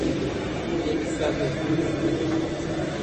یکزده